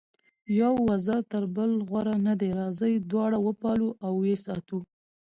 یو وزر تر بل غوره نه دی، راځئ دواړه وپالو او ویې ساتو.